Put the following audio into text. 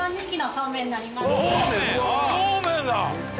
そうめんだ！